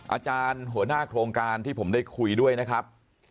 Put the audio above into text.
อาจารย์หัวหน้าโครงการที่ผมได้คุยด้วยนะครับ